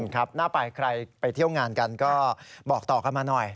ครับน่าไปใครไปเที่ยวงานกันก็บอกต่อกันมาหน่อย